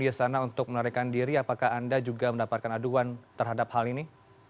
di sana untuk menarikan diri apakah anda juga mendapatkan aduan terhadap hal ini